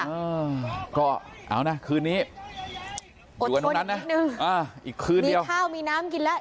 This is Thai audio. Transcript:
อืมก็เอานะคืนนี้อยู่กันตรงนั้นนะอ่ะอีกคืนเดียวมีเช้ามีน้ำกินแล้ว